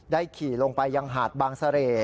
ขี่ลงไปยังหาดบางเสร่